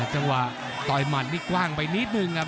จังหวะต่อยหมัดนี่กว้างไปนิดนึงครับ